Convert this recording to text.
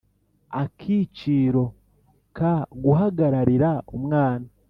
Akiciro ka Guhagararira umwana